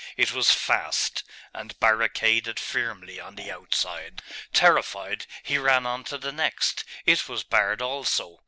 It was fast, and barricaded firmly on the outside. Terrified, he ran on to the next; it was barred also.